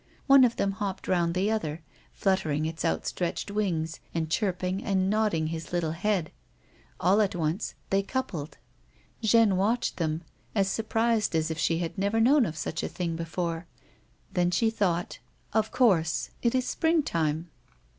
One of them hopped round the other, fluttering his outstretched wings, and chirping and nodding his little head ; all at once they coupled. Jeanne watched them, as surprised as if she had never known of such a thing before ; then she thought ;" Oh, of course ! It is springtime."